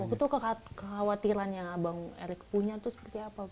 itu kekhawatiran yang abang erick punya itu seperti apa